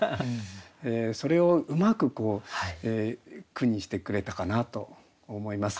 それをうまく句にしてくれたかなと思います。